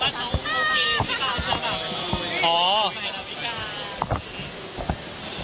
กลายจริงว่าเขาโอเคพี่ก้าว